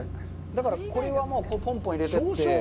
だから、これはもうぽんぽん入れてって。